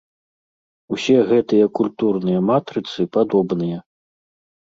Усе гэтыя культурныя матрыцы падобныя.